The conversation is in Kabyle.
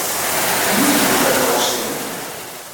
Melmi i yewwi takeṛṛust-im?